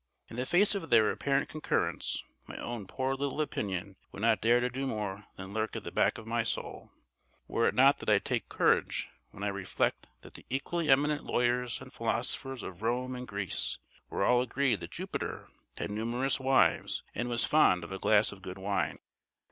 In the face of their apparent concurrence my own poor little opinion would not dare to do more than lurk at the back of my soul, were it not that I take courage when I reflect that the equally eminent lawyers and philosophers of Rome and Greece were all agreed that Jupiter had numerous wives and was fond of a glass of good wine.